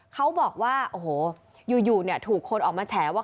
เขาบอกว่าโอ้โหอยู่ถูกคนออกมาแฉว่า